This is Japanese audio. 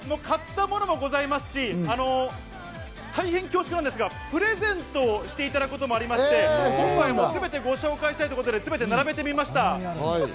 買ったものもございますし、大変恐縮なんですがプレゼントしていただくこともありまして、全てご紹介したいということで、すべて並べてみました。